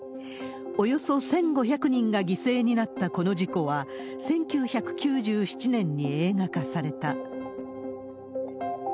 およそ１５００人が犠牲になったこの事故は、１９９７年に映画化された。